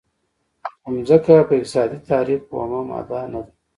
خو ځمکه په اقتصادي تعریف اومه ماده نه ده.